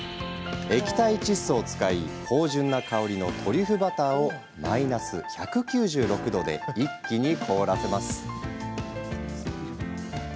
液体窒素を使い芳じゅんな香りのトリュフバターをマイナス１９６度で一気に凍らせます。